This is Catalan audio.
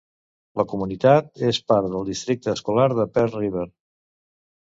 La comunitat és part del Districte Escolar de Pearl River.